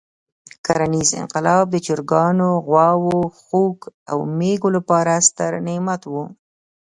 کرنیز انقلاب د چرګانو، غواوو، خوګ او مېږو لپاره ستر نعمت وو.